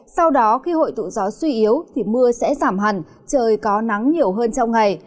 sau đó khi hội tụ gió suy yếu thì mưa sẽ giảm hẳn trời có nắng nhiều hơn trong ngày